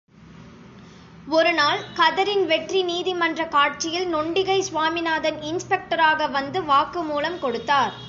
ஒரு நாள், கதரின் வெற்றி நீதிமன்றக் காட்சியில் நொண்டிக்கை சுவாமிநாதன் இன்ஸ்பெக்டராக வந்து வாக்கு மூலம் கொடுத்தார்.